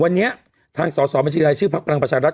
วันนี้ทางสอสอบัญชีรายชื่อพักพลังประชารัฐ